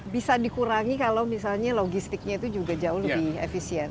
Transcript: bisa dikurangi kalau misalnya logistiknya itu juga jauh lebih efisien